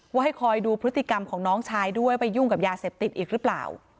ว่าให้คอยดูพฤติกรรมของน้องชายด้วยไปยุ่งกับยาเสพติดอีกหรือเปล่า